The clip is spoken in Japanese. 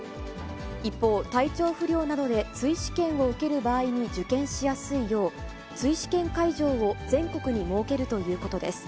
一方、体調不良などで追試験を受ける場合に受験しやすいよう、追試験会場を全国に設けるということです。